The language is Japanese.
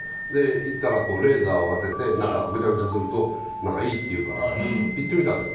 行ったらレーザーを当ててぐちゃぐちゃするといいっていうから行ってみたの。